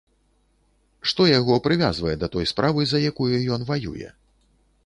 Што яго прывязвае да той справы, за якую ён ваюе?